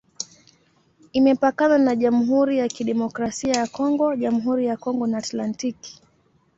Imepakana na Jamhuri ya Kidemokrasia ya Kongo, Jamhuri ya Kongo na Atlantiki.